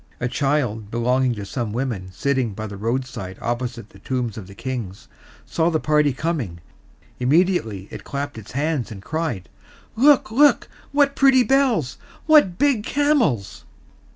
A child belonging to some women sitting by the roadside opposite the Tombs of the Kings saw the party coming; immediately it clapped its hands, and cried, "Look, look! What pretty bells! What big camels!"